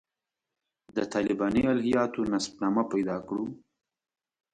د طالباني الهیاتو نسب نامه پیدا کړو.